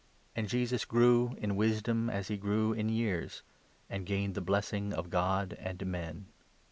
And Jesus grew in wisdom as he grew in years, and 52 'gained the blessing of God and men.'